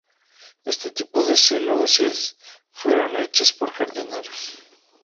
Este tipo de celosías fueron hechas por jardineros.